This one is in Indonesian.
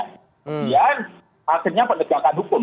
kemudian akhirnya penegakan hukum